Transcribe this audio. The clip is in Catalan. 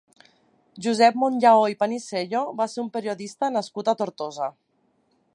Josep Monllaó i Panisello va ser un periodista nascut a Tortosa.